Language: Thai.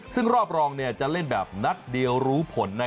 ซึ่งรอบรองจะเล่นแบบนัดเดียวรู้ผล